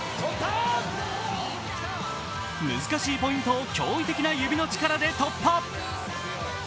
難しいポイントを驚異的な指の力で突破。